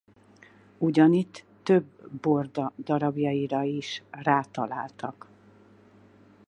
Ugyanitt több borda darabjaira is rátaláltak.